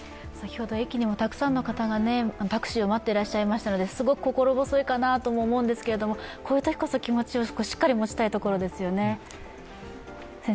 駅にもたくさんの方がタクシーを待っていらっしゃったので、すごく心細いかなと思うんですけどこういうときこそ気持ちをしっかり持ちたいところですよね。